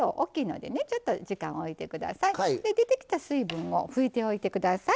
で出てきた水分を拭いておいてください。